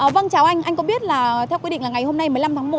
vâng chào anh anh có biết là theo quy định ngày hôm nay một mươi năm tháng một